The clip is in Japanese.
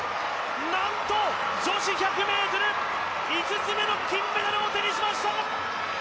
なんと、女子１００ｍ、５つ目の金メダルを手にしました！